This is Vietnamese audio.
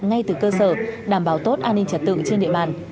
ngay từ cơ sở đảm bảo tốt an ninh trật tự trên địa bàn